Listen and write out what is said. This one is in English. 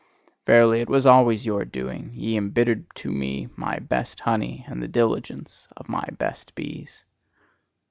Verily, it was always your doing: ye embittered to me my best honey, and the diligence of my best bees.